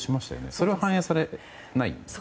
それは反映されないんですか？